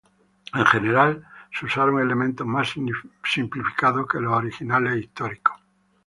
En general se usaron elementos más simplificados que los originales históricos.